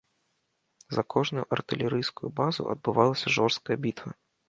За кожную артылерыйскую базу адбывалася жорсткая бітва.